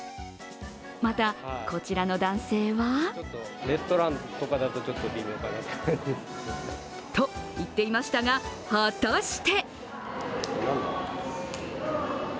また、こちらの男性はと言っていましたが、果たして？